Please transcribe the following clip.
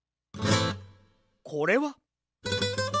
これは。